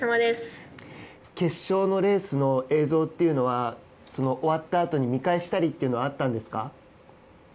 決勝のレースの映像っていうのは終わったあとに見返したというのはあったんですか？